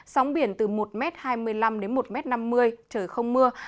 sóng biển từ một hai mươi năm m đến một năm mươi m trời không mưa